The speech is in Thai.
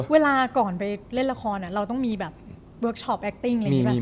เวลาก่อนไปเล่นละครเราต้องมีแบบเวิร์คชอปแอคติ้งอะไรอย่างนี้ป่ะ